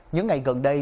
những ngày gần đây